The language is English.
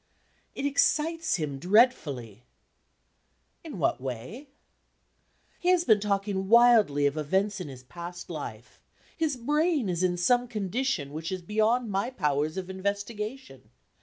"It excites him dreadfully." "In what way?" "He has been talking wildly of events in his past life. His brain is in some condition which is beyond my powers of investigation.